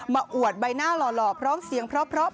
มาอวดใบหน้าหล่อพร้อมเสียงพร้อมพร้อม